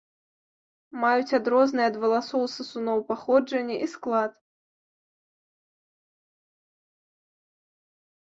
Маюць адрозныя ад валасоў сысуноў паходжанне і склад.